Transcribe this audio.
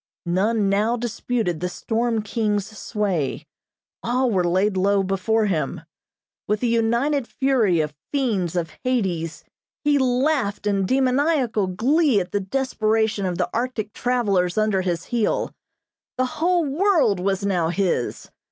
None now disputed the storm king's sway. All were laid low before him. With the united fury of fiends of Hades, he laughed in demoniacal glee at the desperation of the Arctic travelers under his heel. The whole world was now his.